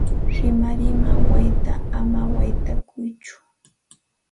Rimarima wayta ama waytakuytsu.